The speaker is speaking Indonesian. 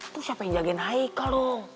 tuh siapa yang jagain haika dong